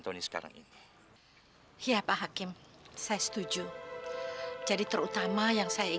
tidak ada yang bisa mencari teman lain